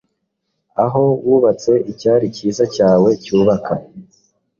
Aho wubatse icyari cyiza cyawe cyubaka,